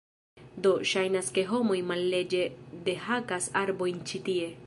Do, ŝajnas ke homoj malleĝe dehakas arbojn ĉi tie.